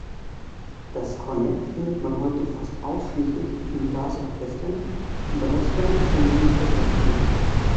Das Kornett findet man heute fast ausschließlich in Blasorchestern, Brass Bands und Militärkapellen.